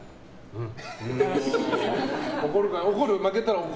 うん。